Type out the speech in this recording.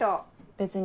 別に。